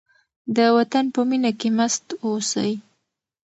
د وطن په مینه کې مست اوسئ.